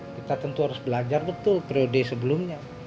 kita tentu harus belajar betul periode sebelumnya